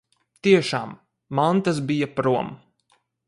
Tiešām, mantas bija prom.